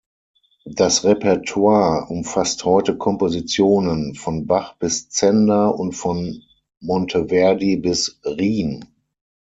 Das Repertoire umfasst heute Kompositionen von Bach bis Zender und von Monteverdi bis Rihm.